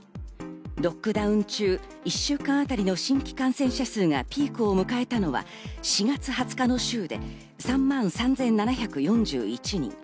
ロックダウン中、１週間あたりの新規感染者数がピークを迎えたのは４月２０日の週で３万３７４１人。